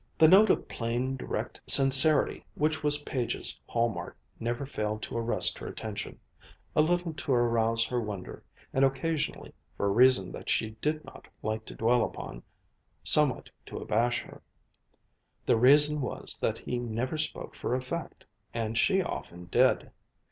The note of plain direct sincerity which was Page's hallmark never failed to arrest her attention, a little to arouse her wonder, and occasionally, for a reason that she did not like to dwell upon, somewhat to abash her. The reason was that he never spoke for effect, and she often did.